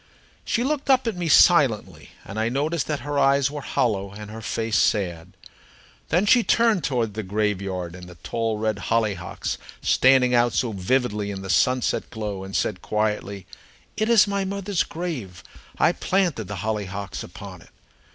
She looked up at me silently, and I noticed that her eyes were hollow, and her face sad. Then she turned toward the graveyard and the tall red hollyhocks standing out so vividly in the sunset glow, and said quietly: "It is my mother's grave. I planted the hollyhocks upon it."